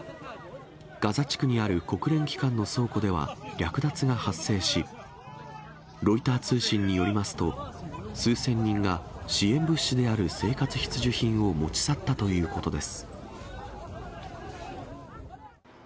ガザ地区にある国連機関の倉庫では、略奪が発生し、ロイター通信によりますと、数千人が支援物資である生活必需品を持ち去ったということです。